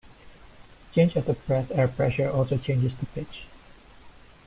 Change of the breath air pressure also changes the pitch.